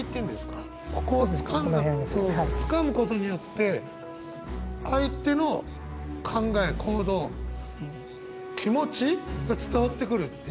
ここをつかむことによって相手の考え行動気持ちが伝わってくるっていうあの短歌